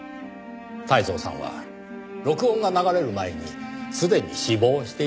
泰造さんは録音が流れる前にすでに死亡していたからです。